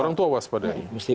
orang tua waspadai